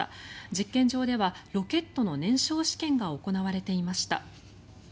実験場ではロケットの燃焼試験が行われていました。